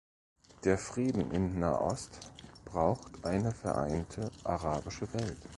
Der Frieden in Nahost braucht eine vereinte arabische Welt.